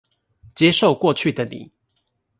接受過去的你